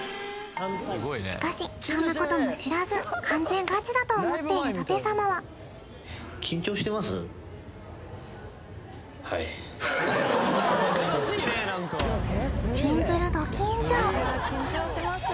しかしそんなことも知らず完全ガチだと思っている舘様はシンプルど緊張